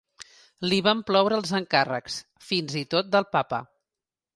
Li van ploure els encàrrecs, fins i tot del papa.